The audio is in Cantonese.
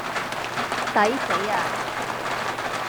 抵死呀